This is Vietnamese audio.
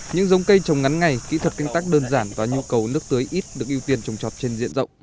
những giống cây trồng ngắn ngày kỹ thuật canh tác đơn giản và nhu cầu nước tưới ít được ưu tiên trồng trọt trên diện rộng